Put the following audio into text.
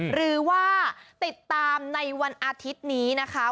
หรือว่าติดตามในวันอาทิตย์นี้นะคะ